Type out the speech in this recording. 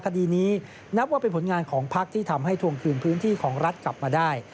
คดีนี้นับว่าเป็นผลงานของพักที่ทำให้ทวงคืนพื้นที่ของรัฐกลับมาได้